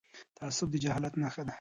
تعصب د جهالت نښه ده..